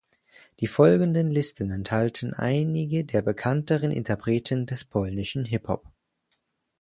Die folgenden Listen enthalten einige der bekannteren Interpreten des polnischen Hip-Hop.